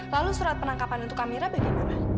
lalu surat penangkapan untuk kamera bagaimana